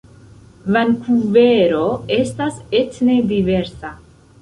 Vankuvero estas etne diversa.